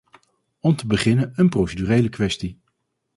Om te beginnen een procedurele kwestie.